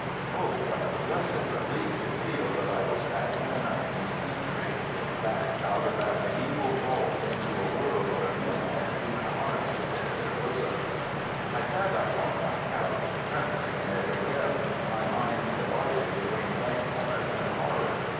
Oh, what a blessed relief to feel that I was back in the nineteenth century—back out of that medieval vault into a world where men had human hearts within their bosoms. I sat up on my couch, trembling in every limb, my mind divided between thankfulness and horror.